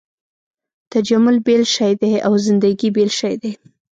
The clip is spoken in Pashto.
تجمل بېل شی دی او زندګي بېل شی دی.